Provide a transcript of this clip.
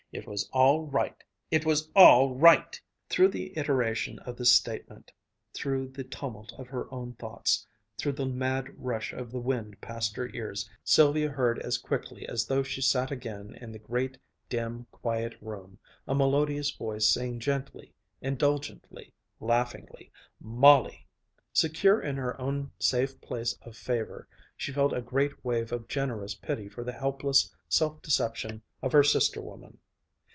It was all right. It was all right." Through the iteration of this statement, through the tumult of her own thoughts, through the mad rush of the wind past her ears, Sylvia heard as clearly as though she sat again in the great, dim, quiet room, a melodious voice saying gently, indulgently, laughingly, "Molly!" Secure in her own safe place of favor she felt a great wave of generous pity for the helpless self deception of her sister woman.